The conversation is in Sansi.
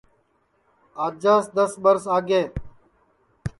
آجاس دؔس ٻرس آگے